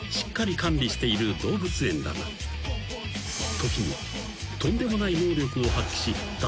［時に］